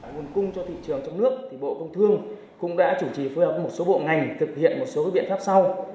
nguồn cung cho thị trường trong nước bộ công thương cũng đã chủ trì phối hợp với một số bộ ngành thực hiện một số biện pháp sau